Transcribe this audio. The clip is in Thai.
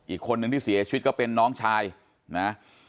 อีกคนนึงที่เสียชีวิตก็เป็นน้องชายนะ